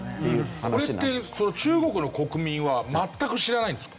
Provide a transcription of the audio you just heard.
これって中国の国民は全く知らないんですか？